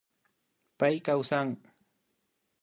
Pay kawsan